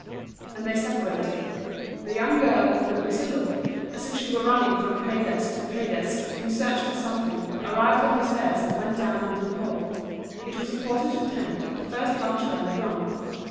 And they separated. The young girl, with a busy look, as if she were running from pay desk to pay desk in search of something, arrived on the stairs and went down into the hall. It was a quarter to ten, the first lunch bell had rung.